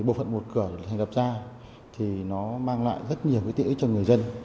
bộ phận một cửa được thành lập ra mang lại rất nhiều tiễu cho người dân